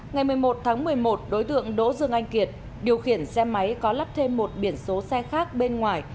ngày một mươi một tháng một mươi một đối tượng đỗ dương anh kiệt điều khiển xe máy có lắp thêm một biển số xe khác bên ngoài